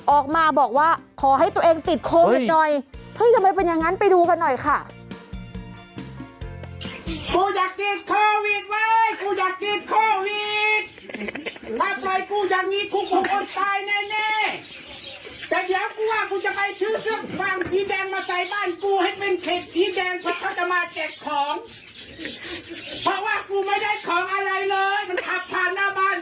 ออกมาบอกว่าขอให้ตัวเองติดโควิดหน่อยเพิ่งทำไมเป็นอย่างนั้นไปดูกันหน่อยค่ะ